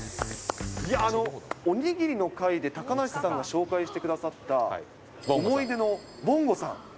いやー、おにぎりの回で高梨さんが紹介してくださった思い出のぼんごさん。